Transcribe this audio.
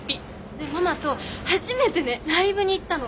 でママと初めてねライブに行ったの。